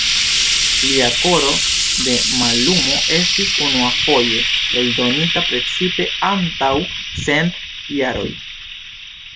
Lia Koro de Mallumo estis unuafoje eldonita precize antaŭ cent jaroj.